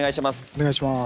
お願いします。